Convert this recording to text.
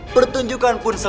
pertunjukan pun selesai